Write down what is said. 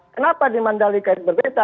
kenapa di mandalika itu berbeda